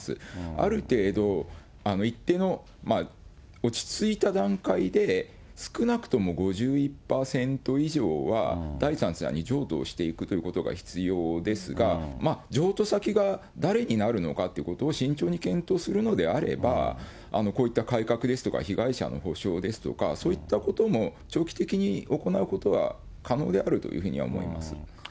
ある程度、落ち着いた段階で少なくとも５１％以上は第三者に譲渡をしていくということが必要ですが、譲渡先が誰になるのかということを慎重に検討するのであれば、こういった改革ですとか、被害者の補償ですとか、そういったことも長期的に行うことは可能であるというふうには思います。